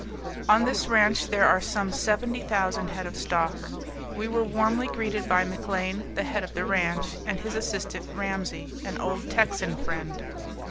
On this ranch there are some seventy thousand head of stock. We were warmly greeted by McLean, the head of the ranch, and his assistant Ramsey, an old Texan friend.